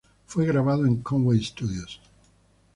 Fue grabado en Conway Studios.